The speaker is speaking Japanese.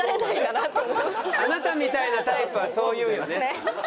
「あなたみたいなタイプはそう言うよね」。